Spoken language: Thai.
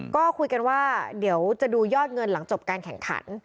ก็คุยกันว่าเดี๋ยวจะดูยอดเงินหลังจบการแข่งขัน